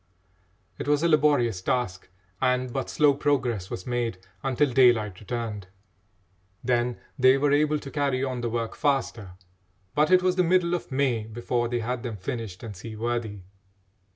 It was a laborious task, and but slow progress was made until daylight returned. Then they were able to carry on the work faster; but it was the middle of May before they had them finished and seaworthy.